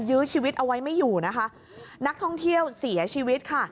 ยื้อชีวิตเอาไว้ไม่อยู่นะคะนักท่องเที่ยวเสียชีวิตค่ะ